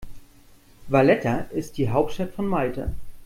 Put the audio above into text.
Valletta ist die Hauptstadt von Malta.